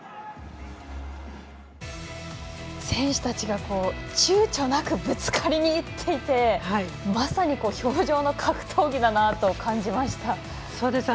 選手たちがちゅうちょなくぶつかりにいっていてまさに氷上の格闘技だなと感じました。